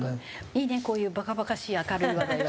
いいねこういうバカバカしい明るい話題は。